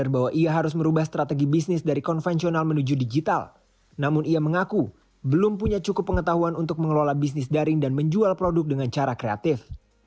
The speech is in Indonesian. bahwa ia harus merubah strategi bisnis dari konvensional menuju digital namun ia mengaku belum punya cukup pengetahuan untuk mengelola bisnis daring dan menjual produk dengan cara kreatif